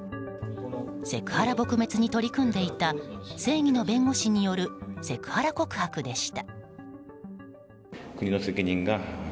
セクハラ撲滅に取り組んでいた正義の弁護士によるセクハラ告白でした。